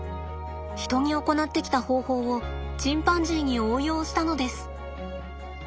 人に行ってきた方法をチンパンジーに応用したのです。